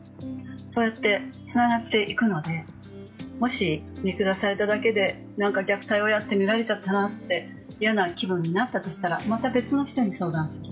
そうやってつながっていくので、もし見下されただけで虐待してると、見られちゃったなと嫌な気分になったとしたらまた別の時点で相談する。